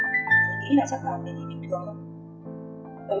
chỉ nghĩ là chắc là mình bị bình thường thôi